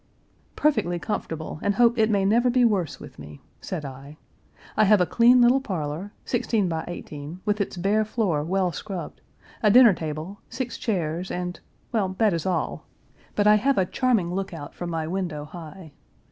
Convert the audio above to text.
"Perfectly comfortable, and hope it may never be worse with me," said I. "I have a clean little parlor, 16 by 18, with its bare floor well scrubbed, a dinner table, six chairs, and well, that is all; but I have a charming lookout Page 374 from my window high.